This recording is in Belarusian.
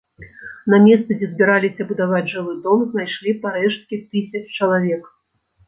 На месцы, дзе збіраліся будаваць жылы дом, знайшлі парэшткі тысяч чалавек.